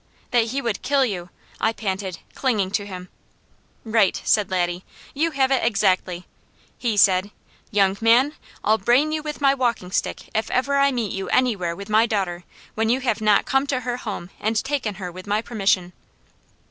"That he would kill you," I panted, clinging to him. "Right!" said Laddie. "You have it exactly. He said: 'Young man, I'll brain you with my walking stick if ever I meet you anywhere with my daughter, when you have not come to her home and taken her with my permission.'"